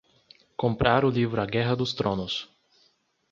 Comprar o livro A Guerra dos Tronos